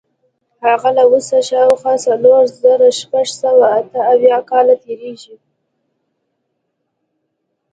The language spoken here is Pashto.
هغه له اوسه شاوخوا څلور زره شپږ سوه اته اویا کاله تېرېږي.